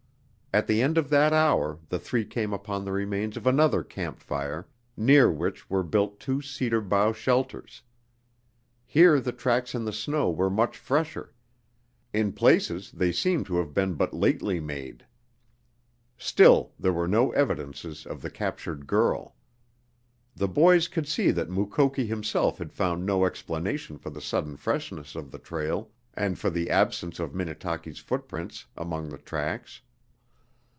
At the end of that hour the three came upon the remains of another camp fire near which were built two cedar bough shelters. Here the tracks in the snow were much fresher; in places they seemed to have been but lately made. Still there were no evidences of the captured girl. The boys could see that Mukoki himself had found no explanation for the sudden freshness of the trail and for the absence of Minnetaki's footprints among the tracks.